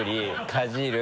かじる